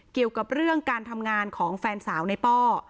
เกี่ยวกับเรื่องการทำงานของแฟนสาวในป้อ